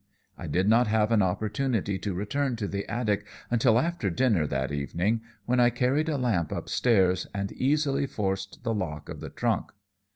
I did not have an opportunity to return to the attic until after dinner that evening, when I carried a lamp up stairs and easily forced the lock of the trunk.